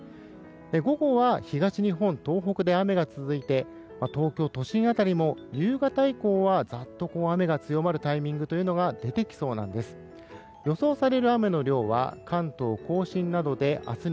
午後は東日本、東北で雨が続いて東京都心辺りも夕方以降はざっと雨が強まるタイミングが出てきそうなんです。